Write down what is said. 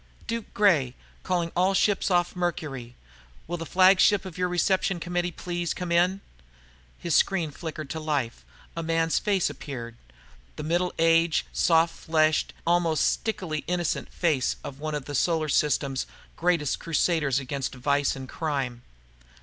"Duke Gray, calling all ships off Mercury. Will the flagship of your reception committee please come in?" His screen flickered to life. A man's face appeared the middle aged, soft fleshed, almost stickily innocent face of one of the Solar Systems greatest crusaders against vice and crime.